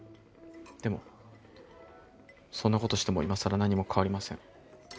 でもそんなことしてもいまさら何も変わりません。